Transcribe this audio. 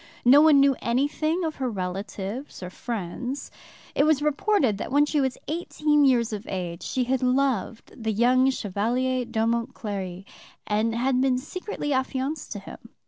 No one knew anything of her relatives or friends. It was reported that when she was eighteen years of age she had loved the young Chevalier d'Aumont Cléry, and had been secretly affianced to him.